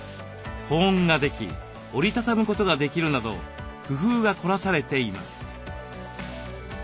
保温ができ折り畳むことができるなど工夫が凝らされています。